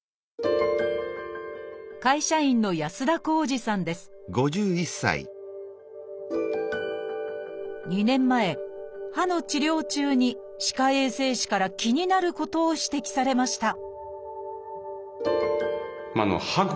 会社員の２年前歯の治療中に歯科衛生士から気になることを指摘されました